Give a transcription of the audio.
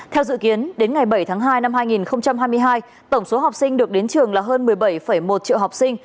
theo dự kiến đến ngày bảy tháng hai năm hai nghìn hai mươi hai tổng số học sinh được đến trường là hơn một mươi bảy một triệu học sinh